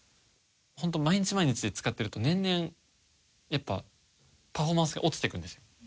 ホント毎日毎日使ってると年々やっぱパフォーマンスが落ちていくんですよ。